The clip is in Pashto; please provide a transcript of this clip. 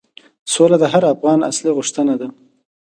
سوله د هر افغان اصلي غوښتنه ده.